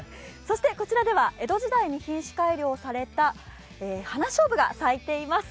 こちらでは江戸時代に品種改良されたハナショウブが咲いています。